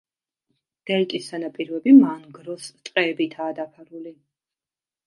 დელტის სანაპიროები მანგროს ტყეებითაა დაფარული.